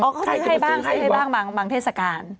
อ๋อเค้าศึกให้บ้างให้บ้างบางเทศกาล